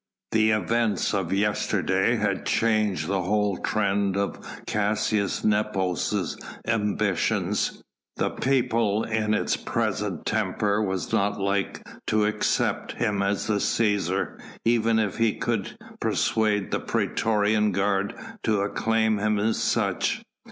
The events of yesterday had changed the whole trend of Caius Nepos' ambitions. The people in its present temper was not like to accept him as the Cæsar, even if he could persuade the praetorian guard to acclaim him as such.